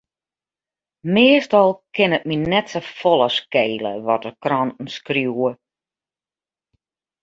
Meastal kin it my net safolle skele wat de kranten skriuwe.